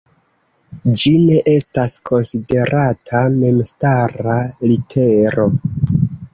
Ĝi ne estas konsiderata memstara litero.